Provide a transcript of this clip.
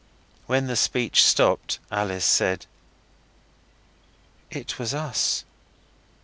When the speech stopped Alice said, 'It was us.